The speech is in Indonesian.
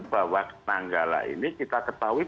bahwa nanggala ini kita ketahui